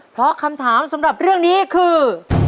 เพราะคำถามสำหรับเรื่องนี้คือ